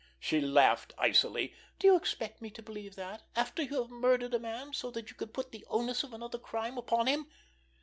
She laughed icily. "Do you expect me to believe that, after you have murdered a man so that you could put the onus of another crime upon him!